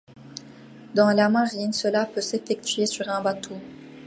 Dans la marine, cela peut s'effectuer sur un bateau.